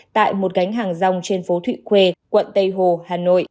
tại một gánh hàng rong trên phố thụy khuê quận tây hồ hà nội